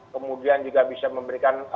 kemudian juga bisa memberikan